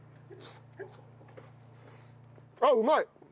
あっうまい！